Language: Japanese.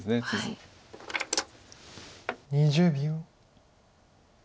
２０秒。